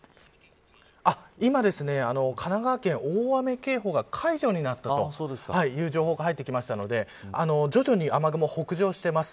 今、神奈川県大雨警報が解除になったという情報が入ってきましたので徐々に雨雲、北上しています。